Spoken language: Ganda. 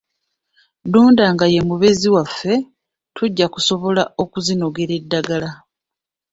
Ddunda nga ye mubeezi waffe, tujja kusobola okuzinogera eddagala.